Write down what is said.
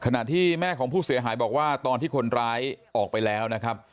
ที่แม่ของผู้เสียหายบอกว่าตอนที่คนร้ายออกไปแล้วนะครับ